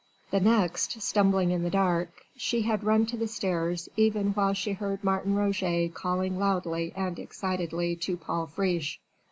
The next stumbling in the dark she had run to the stairs even while she heard Martin Roget calling loudly and excitedly to Paul Friche.